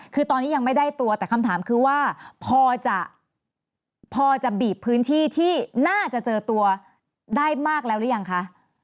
คือตอนนี้ยังไม่ได้ตัวแต่คำถามคือว่าพอจะพอจะบีบพื้นที่ที่น่าจะเจอตัวได้มากแล้วหรือยังคะ